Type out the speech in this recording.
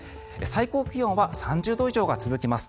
最高気温は３０度以上が続きます。